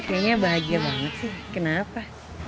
kayaknya bahagia banget sih kenapa